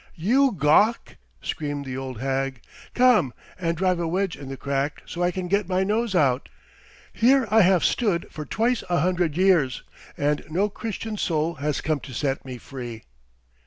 "You gawk!" screamed the old hag. "Come and drive a wedge in the crack so I can get my nose out. Here I have stood for twice a hundred years, and no Christian soul has come to set me free."